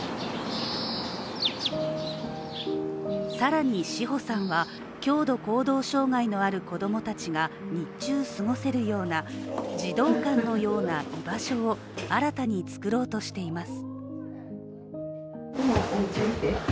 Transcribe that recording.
更に志穂さんは、強度行動障害のある子供たちが日中過ごせるような児童館のような居場所を、新たに作ろうとしています。